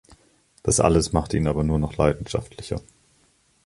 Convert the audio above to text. Das alles macht ihn aber nur noch leidenschaftlicher.